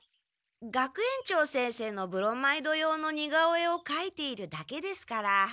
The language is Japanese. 学園長先生のブロマイド用の似顔絵をかいているだけですから。